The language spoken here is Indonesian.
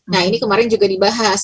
nah ini kemarin juga dibahas